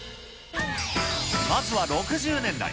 まずは６０年代。